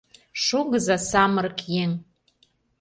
— Шогыза, самырык еҥ!